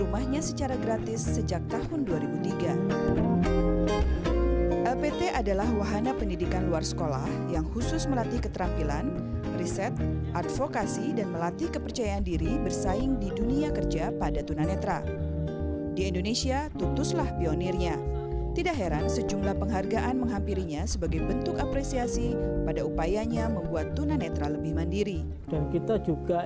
masih banyak veteran veteran yang belum mendapatkan perhatian semacam itu